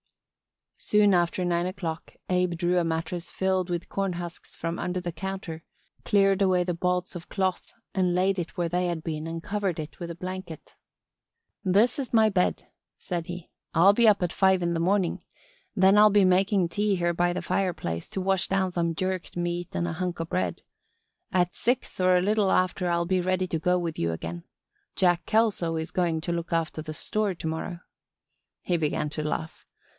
Soon after nine o'clock Abe drew a mattress filled with corn husks from under the counter, cleared away the bolts of cloth and laid it where they had been and covered it with a blanket. "This is my bed," said he. "I'll be up at five in the morning. Then I'll be making tea here by the fireplace to wash down some jerked meat and a hunk o' bread. At six or a little after I'll be ready to go with you again. Jack Kelso is going to look after the store to morrow." He began to laugh.